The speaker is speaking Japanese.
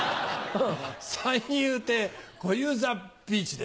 三遊亭小遊三ビーチです。